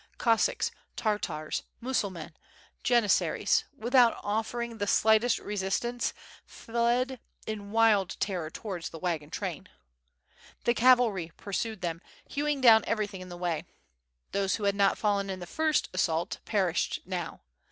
Cossacks^ Tar tars, Mussulmen, Janissaries, without offering the slightest resistance, fled in wild terror towards the wagon train. The cavalry pursued them, hewing down everything in the way. Those who had not fallen in the first assault perished now.